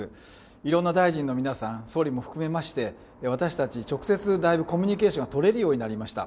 いろんな大臣の皆さん、総理も含めまして、私たち直接、だいぶコミュニケーションが取れるようになりました。